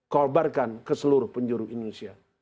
kolbarkan ke seluruh penjuru indonesia